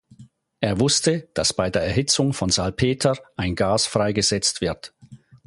Er wusste, dass bei der Erhitzung von Salpeter ein Gas freigesetzt wird.